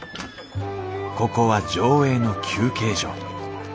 ここは条映の休憩所。